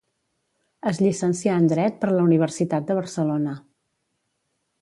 Es llicencià en dret per la Universitat de Barcelona.